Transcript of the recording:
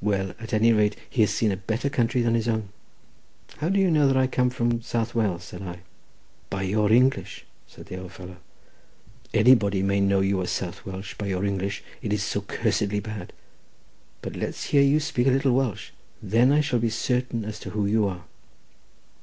Well, at any rate, he has seen a better country than his own." "How do you know that I come from South Wales?" said I. "By your English," said the old fellow; "anybody may know you are South Welsh by your English; it is so cursedly bad! But let's hear you speak a little Welsh; then I shall be certain as to who you are."